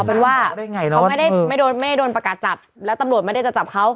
เอาเป็นว่าเขาไม่ได้ไม่โดนไม่ได้โดนประกาศจับแล้วตำโหลดไม่ได้จะจับเขา